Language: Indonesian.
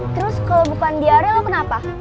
terus kalo bukan diare lo kenapa